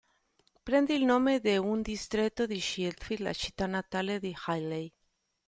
Prende il nome da un distretto di Sheffield, la città natale di Hawley.